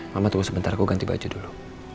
mama tunggu sebentar gue ganti baju dulu